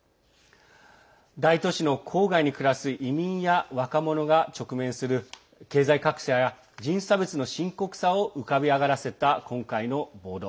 大都市の郊外に暮らす移民や若者が直面する経済格差や人種差別の深刻さを浮かび上がらせた今回の暴動。